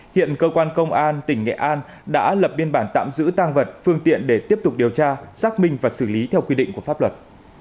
hiện cơ quan công an tỉnh nghệ an đã lập biên bản tạm giữ tăng vật phương tiện để tiếp tục điều tra xác minh và xử lý theo quy định của pháp luật